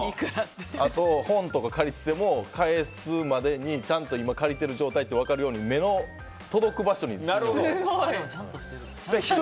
あと本とか借りていても返すまでにちゃんと借りてる状態って分かるように目の届く場所にちゃんと。